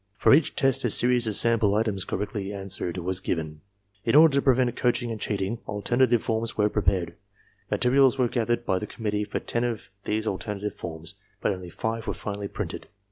For each test a series of sample items correctly answered was given. In order to prevent coaching and cheating, alternative forms were prepared. Materials were gathered by the committee for ten of these alternative forms, but only five were finally printed.